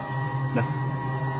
なっ？